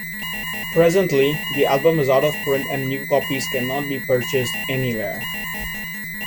Presently, the album is out of print and new copies cannot be purchased anywhere.